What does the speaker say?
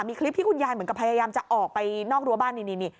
มีคลิปที่คุณยายเหมือนกับพยายามจะออกไปนอกรั้วบ้านนี่